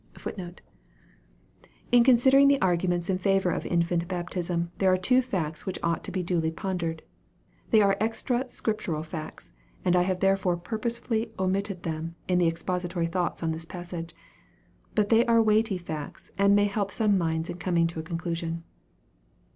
In considering the arguments in favor of infant baptism, there are two facts which ought to be duly pondered. They are extra soriptural facts, and I have therefore purposely omitted them in the Expository Thoughts on this passage. But they are weighty facts, and may help some minds in coming to a conclusion.